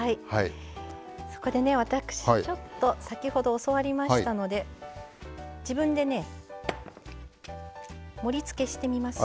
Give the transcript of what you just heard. そこでね私ちょっと先ほど教わりましたので自分でね盛りつけしてみますよ。